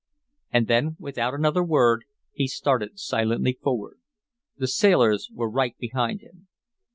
And then without another word he started silently forward. The sailors were right behind him.